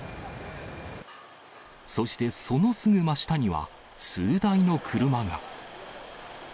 そしてそのすぐ真下には、数台の車が。